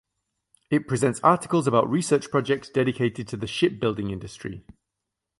It presents articles about research projects dedicated to the shipbuilding industry.